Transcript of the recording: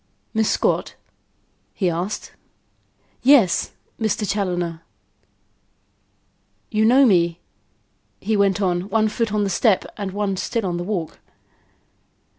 "Miss Scott?" he asked. "Yes, Mr. Challoner." "You know me?" he went on, one foot on the step and one still on the walk.